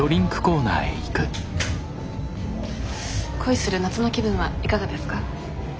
恋する夏の気分はいかがですか？